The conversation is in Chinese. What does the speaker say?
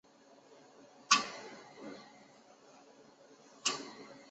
自此美国联邦政府出现廿多次次资金短缺。